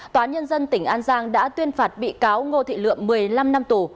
tòa nhân dân tỉnh an giang đã tuyên phạt bị cáo ngô thị lượm một mươi năm năm tù